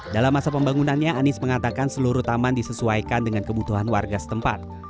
dalam masa pembangunannya anies mengatakan seluruh taman disesuaikan dengan kebutuhan warga setempat